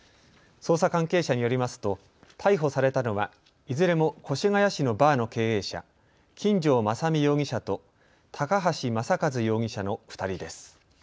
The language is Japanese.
捜査関係者によりますと逮捕されたのはいずれも越谷市のバーの経営者、金城将巳容疑者と高橋政一容疑者の２人です。